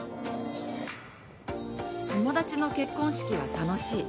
友達の結婚式は楽しい。